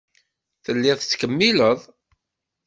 Telliḍ tettkemmileḍ.